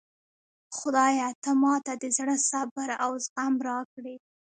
خدایه ته ماته د زړه صبر او زغم راکړي